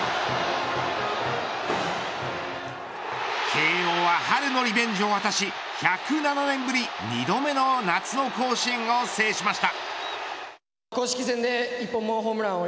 慶応は春のリベンジを果たし１０７年ぶり２度目の夏の甲子園を制しました。